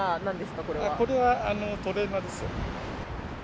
これはトレーナーですよ。